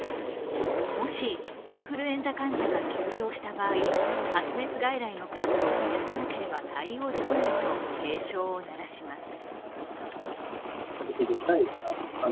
もしインフルエンザ患者が急増した場合、発熱外来の数を増やさなければ対応できないと警鐘を鳴らします。